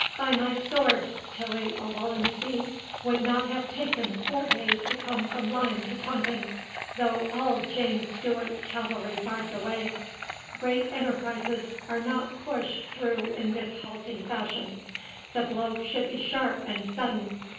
By my sword, Tilly or Wallenstein would not have taken four days to come from Lyme to Taunton, though all James Stuart's cavalry barred the way. Great enterprises are not pushed through in this halting fashion. The blow should be sharp and sudden.